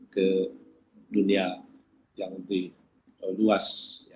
ke dunia yang lebih luas